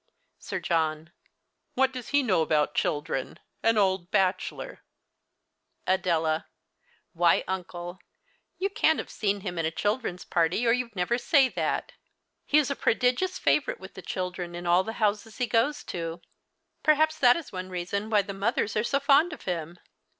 Sir Johx. What does he know about children — an old bachelor ? Adela. Why, uncle, you can't have seen him in a children's party, or you'd never say that. He is a pro digious favourite with the children in all the houses he goes to. Perhaps that is one reason why the mothers are so fond of him.